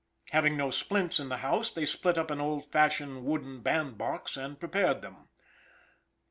Having no splits in the house, they split up an old fashioned wooden band box and prepared them.